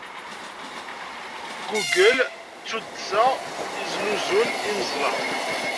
Google d tuddsa i yesnuzun imeẓla.